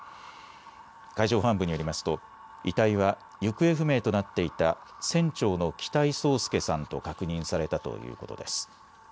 海上保安部によりますと遺体は行方不明となっていた船長の北井宗祐さんと確認されたということです。